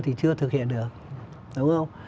thì chưa thực hiện được đúng không